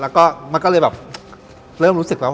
แล้วก็มันก็เลยแบบเริ่มรู้สึกแล้ว